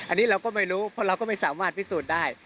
อันนี้เราก็ไม่รู้เพราะเราก็ไม่สามารถพิสูจน์ได้